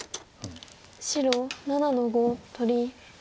白７の五取り。